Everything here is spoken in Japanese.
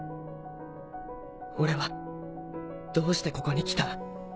俺はどうしてここに来た？